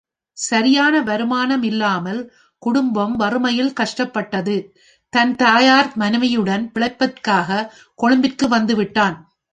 சரியான வருமானம் இல்லாமல் குடும்பம் வறுமையில் கஷ்டப்பட்டது, தன் தாயார் மனைவியுடன் பிழைப்பிற்காக கொழும்பிற்கு வந்து விட்டான்.